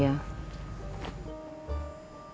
waktu kamu seumur dia